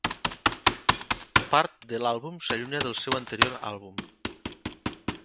Part de l'àlbum s'allunya del seu anterior àlbum.